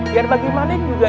biar bagaimana juga